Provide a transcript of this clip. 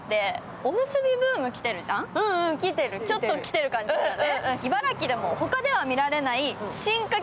ちょっと来てる感じするよね。